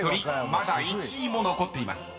まだ１位も残っています］